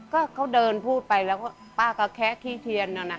ก็เขาเดินพูดไปแล้วก็ป้าก็แคะขี้เทียนน่ะนะ